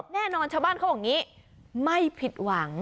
แน่นอนชาวบ้านเขาบอกอย่างนี้ไม่ผิดหวัง